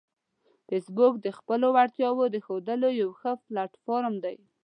فېسبوک د خپلو وړتیاوو د ښودلو یو ښه پلیټ فارم دی